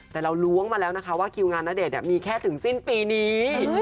แต่เราล้วงมาแล้วนะคะว่าคิวงานณเดชน์มีแค่ถึงสิ้นปีนี้